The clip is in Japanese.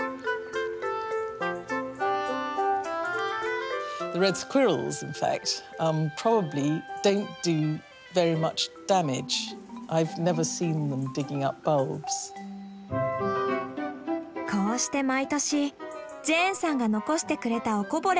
こうして毎年ジェーンさんが残してくれたおこぼれを頂戴するんだ。